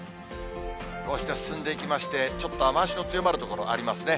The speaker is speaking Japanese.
こうして進んでいきまして、ちょっと雨足の強まる所、ありますね。